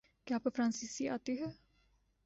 کیا اپ کو فرانسیسی آتی ہے؟